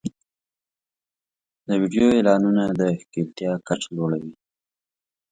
د ویډیو اعلانونه د ښکېلتیا کچه لوړوي.